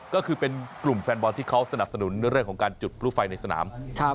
ก็คือเป็นกลุ่มแฟนบอลที่เขาสนับสนุนเรื่องของการจุดพลุไฟในสนาม